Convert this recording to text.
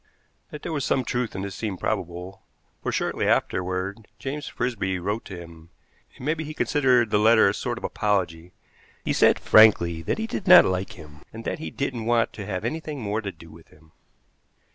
That there was some truth in this seemed probable, for shortly afterward James Frisby wrote to him. It may be he considered the letter a sort of apology. He said frankly that he did not like him, and that he didn't want to have anything more to do with him.